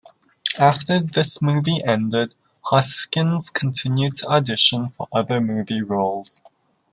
After this movie ended, Hoskins continued to audition for other movie roles.